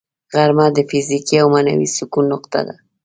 غرمه د فزیکي او معنوي سکون نقطه ده